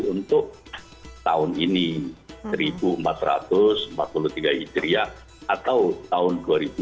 untuk tahun ini seribu empat ratus empat puluh tiga hijriah atau tahun dua ribu dua puluh